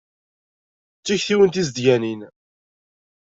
D tiktiwin tizedganin.